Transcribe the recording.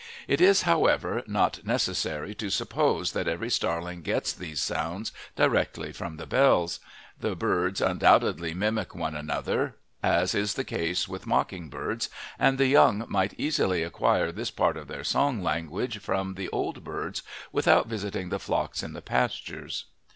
It is, however, not necessary to suppose that every starling gets these sounds directly from the bells; the birds undoubtedly mimic one another, as is the case with mocking birds, and the young might easily acquire this part of their song language from the old birds without visiting the flocks in the pastures.